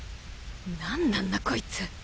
何なんだこいつ。